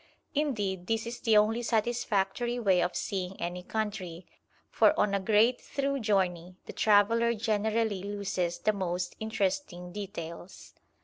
Indeed, this is the only satisfactory way of seeing any country, for on a great through journey the traveller generally loses the most interesting details.